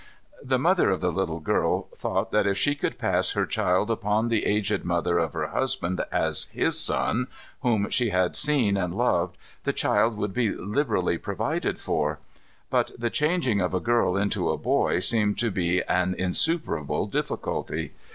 The mother of the little girl thought that if she could pass her child upon the aged mother of her husband, as his son, whom she had seen and loved, the child would be liberally provided for. But the changing of a girl into a boy seemed to be an insuperable difficulty.